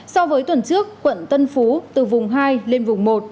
so với tuần trước quận tân phú từ vùng hai lên vùng một